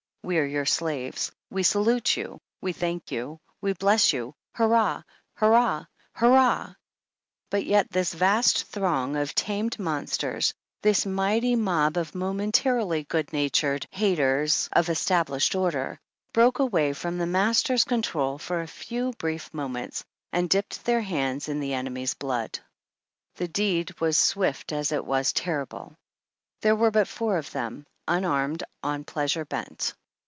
We're your slaves. We salute you. We thank you. We bless you. Hurrah ! Hurrah ! Hurrah !" But yet this vast throng of tamed monsters, this mighty mob of momentarily good natured haters of 9 established order, broke away from the master's con trol for a few brief moments, and dipped their hands in the enemy's blood. The deed was swift as it was terrible. There were but four of them, unarmed, on pleasure bent.